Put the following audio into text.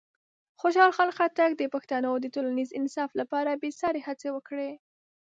خوشحال خان خټک د پښتنو د ټولنیز انصاف لپاره بېساري هڅې وکړې.